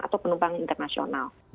atau penumpang internasional